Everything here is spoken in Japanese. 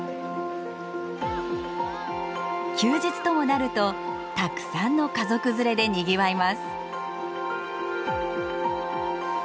休日ともなるとたくさんの家族連れでにぎわいます。